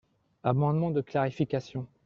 Amendement de clarification.